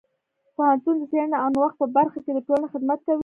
پوهنتون د څیړنې او نوښت په برخه کې د ټولنې خدمت کوي.